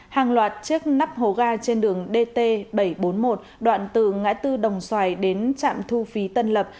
hàng loạt chiếc nắp hồ ga trên đường dt bảy trăm bốn mươi một đoạn từ ngã tư đồng xoài đến trạm thu phí tân lập